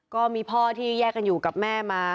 ก็มีพ่อที่แยกกันอยู่กับแม่มา